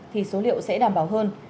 thì số liệu sẽ đảm bảo hơn